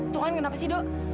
tungan kenapa sih do